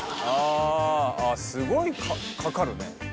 あっすごいかかるね。